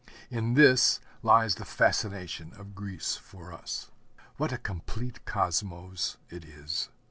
In this lies the fascination of Greece for us. What a complete cosmos it is!